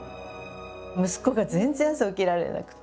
息子が全然朝起きられなくていや